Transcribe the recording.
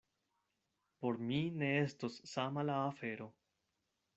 Por mi ne estos sama la afero.